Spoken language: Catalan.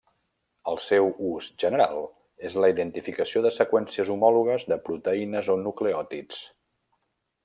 El seu ús general és la identificació de seqüències homòlogues de proteïnes o nucleòtids.